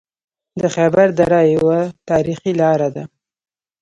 د خیبر دره یوه تاریخي لاره ده